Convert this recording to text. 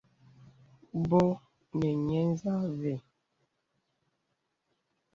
Bɔ nə̀ nyə̄ nzâ və̀.